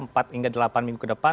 empat hingga delapan minggu ke depan